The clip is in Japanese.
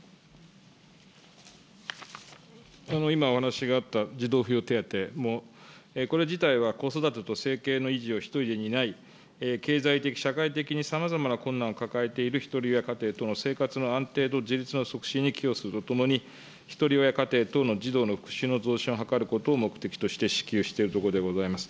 今お話があった児童扶養手当も、これ自体は、子育てと生計の維持を１人で担い、経済的、社会的にさまざまな困難を抱えているひとり親家庭等の生活の安定と自立の促進に寄与するとともに、ひとり親家庭等の児童の福祉の増進を図ることを目的として支給しているところでございます。